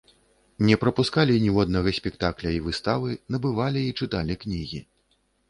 Не прапускалі ніводнага спектакля і выставы, набывалі і чыталі кнігі.